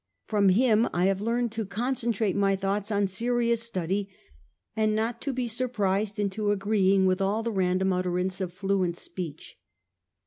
From him I have learned to concen trate my thoughts on serious study, and not to be surprised intoagreeing with all the random utterance of fluent speech.